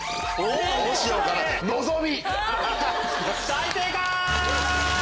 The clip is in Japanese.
大正解！